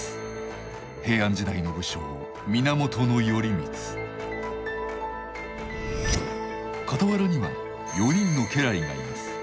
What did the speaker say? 平安時代の武将傍らには４人の家来がいます。